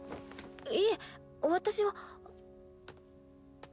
いえ私は。